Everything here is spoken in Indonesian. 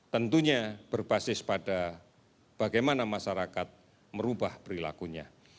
tentunya berbasis pada bagaimana masyarakat merubah perilakunya